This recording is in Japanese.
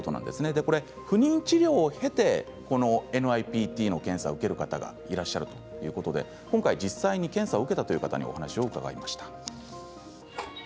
不妊治療を経てＮＩＰＴの検査を受ける方がいらっしゃるということで実際に検査を受けた方にお話を伺いました。